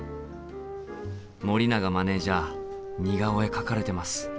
森永マネージャー似顔絵描かれてます。